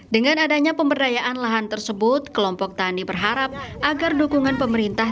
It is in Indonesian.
dengan adanya pemberdayaan lahan tersebut kelompok tani berharap agar dukungan pemerintah